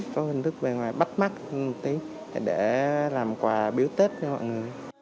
có hình thức bề ngoài bắt mắt một tí để làm quà biếu tết cho mọi người